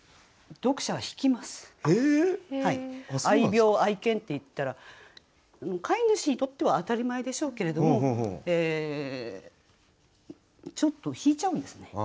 「愛猫」「愛犬」って言ったら飼い主にとっては当たり前でしょうけれどもちょっと引いちゃうんですね